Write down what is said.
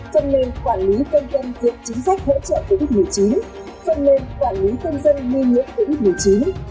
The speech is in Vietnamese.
phần mềm quản lý cân dân việc chính sách hỗ trợ của úc một mươi chín phần mềm quản lý cân dân nguyên liệu của úc một mươi chín